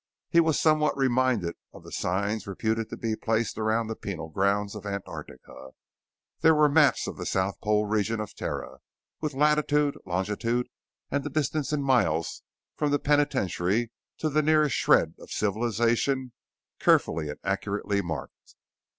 He was somewhat reminded of the signs reputed to be placed around the penal grounds on Antarctica. There were maps of the South Polar Region of Terra, with latitude, longitude, and the distance in miles from the penitentiary to the nearest shred of civilization carefully and accurately marked.